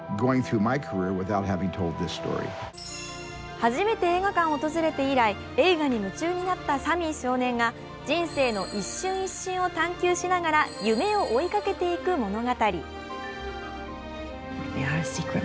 初めて映画館を訪れて以来、映画に夢中になったサミー少年が人生の一瞬一瞬を探求しながら夢を追いかけていく物語。